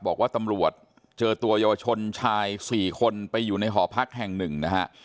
บอกว่าตำรวจเจอตัวเยาวชนชาย๔คนไปอยู่ในหอพักแห่งหนึ่งนะฮะ